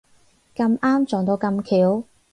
咁啱撞到咁巧